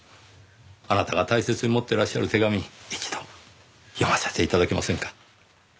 あなたが大切に持ってらっしゃる手紙一度読ませて頂けませんか？